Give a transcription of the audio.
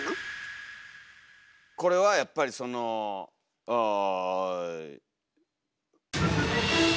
これはやっぱりそのおぅ。